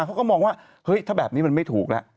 เขาก็มองว่าเฮ้ยถ้าแบบนี้มันไม่ถูกแล้ว